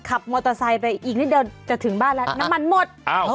ขับมอเตอร์ไซค์ไปอีกนิดเดียวจะถึงบ้านแล้วน้ำมันหมด